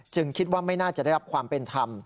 คิดว่าไม่น่าจะได้รับความเป็นธรรม